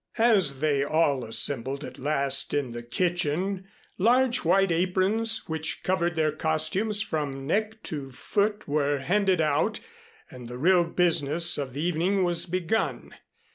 As they all assembled at last in the kitchen, large white aprons, which covered their costumes from neck to foot, were handed out and the real business of the evening was begun.